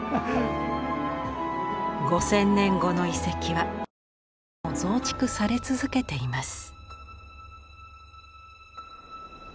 五千年後の遺跡は今日も増築され続けています。